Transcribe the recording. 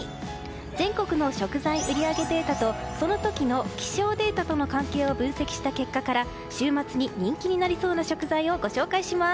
全国の食材売り上げデータとその時の気象データとの関係を分析した結果から週末に人気になりそうな食材をご紹介します。